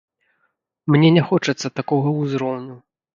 Мне не хочацца такога ўзроўню.